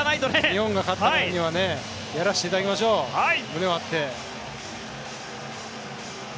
日本が勝ったからにはやらせていただきましょう胸を張って。